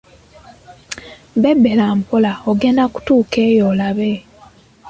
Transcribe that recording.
Bebbera mpola ogenda otuukeyo olabe.